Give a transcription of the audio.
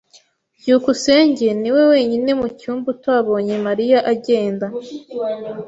byukusenge niwe wenyine mu cyumba utabonye Mariya agenda.